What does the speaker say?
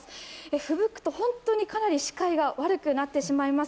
ふぶくと本当に視界が悪くなってしまいます。